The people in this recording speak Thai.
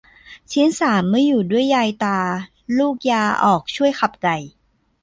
ชิ้นสามเมื่ออยู่ด้วยยายตา ลูกยาออกช่วยขับไก่